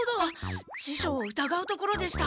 ししょうをうたがうところでした。